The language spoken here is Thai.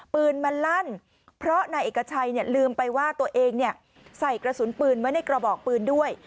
ปืนมันลั่นเพราะนายเอกชัยลืมไปว่าตัวเองใส่กระสุนปืนไว้ในกระบอกปืนด้วย